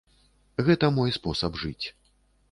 Гэта мой спосаб жыць.